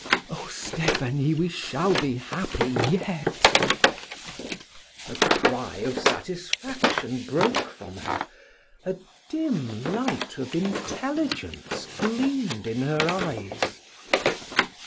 "Oh, Stephanie! we shall be happy yet!" A cry of satisfaction broke from her, a dim light of intelligence gleamed in her eyes.